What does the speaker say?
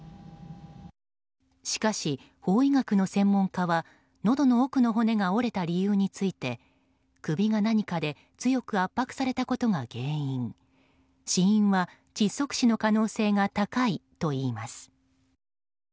しかし、法医学の専門家はのどの奥の骨が折れた理由について首が何かで強く圧迫されたことが原因死因は窒息死の可能性が高いといいます。